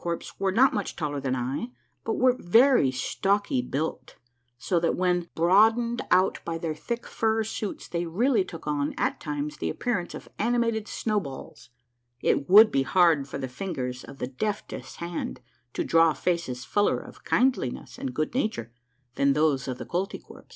A MARVELLOUS UNDERGROUND JOURNEY 157 The Koltykwerps were not much taller than I, but were very stocky built, so that when broadened out by their thick fur suits they really took on at times the appearance of animated snow balls. It would be hard for the fingers of the deftest hand to draw faces fuller of kindliness and good nature than those of the Koltykwerps.